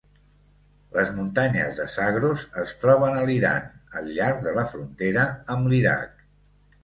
Les muntanyes de Zagros es troben a l'Iran, al llarg de la frontera amb l'Iraq.